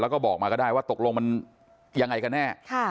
แล้วก็บอกมาก็ได้ว่าตกลงมันยังไงกันแน่